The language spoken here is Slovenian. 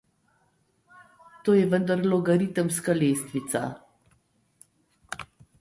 To je vendar logaritemska lestvica.